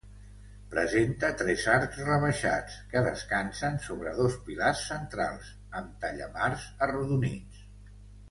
Presenta tres arcs rebaixats, que descansen sobre dos pilars centrals, amb tallamars arrodonits.